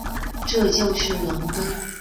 这就是容庚。